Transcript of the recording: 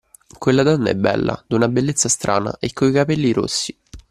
Quella donna è bella, d'una bellezza strana e coi capelli rossi.